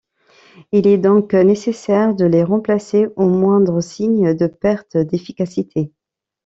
Il est donc nécessaire de les remplacer au moindre signe de perte d'efficacité.